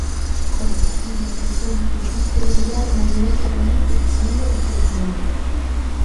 ¿Como é posible, entón, que o xefe territorial mantivese reunións defendendo este documento?